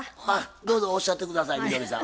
どうぞおっしゃって下さいみどりさん。